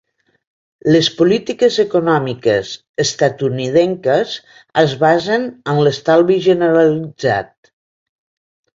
Les polítiques econòmiques estatunidenques es basen en l'estalvi generalitzat.